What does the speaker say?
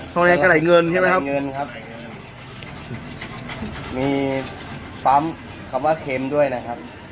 ทองแดงกระไหลเงินใช่ไหมครับเงินครับมีคำว่าเข็มด้วยนะครับ